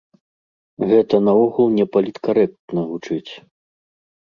Гэта наогул непаліткарэктна гучыць.